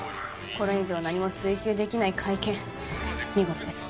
これ以上何も追及できない会見見事です。